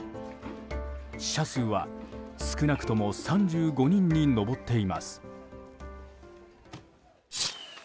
死者数は少なくとも３５人に上っています。